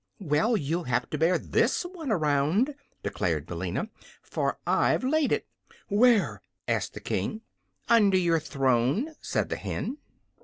"Well, you'll have to bear this one around," declared Billina; "for I've laid it." "Where?" asked the King. "Under your throne," said the hen.